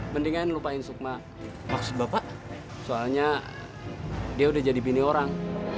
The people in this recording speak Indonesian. mendingan lupain sukma maksud bapak soalnya dia udah jadi bini orang